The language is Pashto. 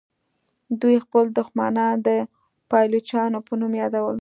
دوی خپل دښمنان د پایلوچانو په نوم یادول.